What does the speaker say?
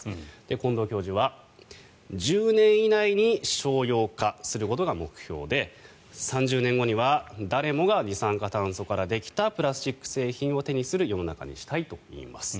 近藤教授は１０年以内に商用化することが目標で３０年後には誰もが二酸化炭素からできたプラスチック製品を手にする世の中にしたいといいます。